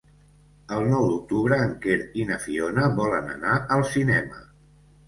El nou d'octubre en Quer i na Fiona volen anar al cinema.